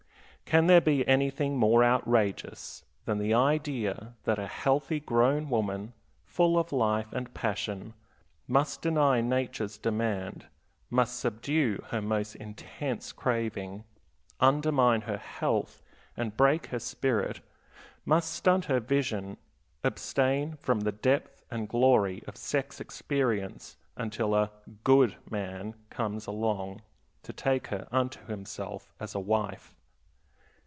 Can there be anything more outrageous than the idea that a healthy, grown woman, full of life and passion, must deny nature's demand, must subdue her most intense craving, undermine her health and break her spirit, must stunt her vision, abstain from the depth and glory of sex experience until a "good" man comes along to take her unto himself as a wife?